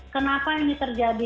kenapa ini terjadi